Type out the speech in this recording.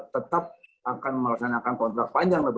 tetap akan melaksanakan kontrak panjang